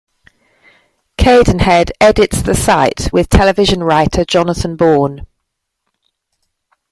Cadenhead edits the site with television writer Jonathan Bourne.